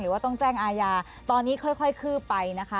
ว่าต้องแจ้งอาญาตอนนี้ค่อยคืบไปนะคะ